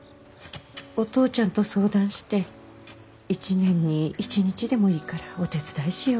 お父ちゃんと相談して一年に一日でもいいからお手伝いしようって。